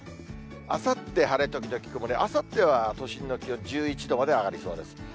あさって晴れ時々曇り、あさっては都心の気温１１度まで上がりそうです。